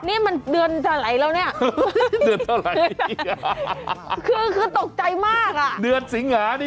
นี่มันเดือนเถรายแล้วนี่อ่ะฮ่า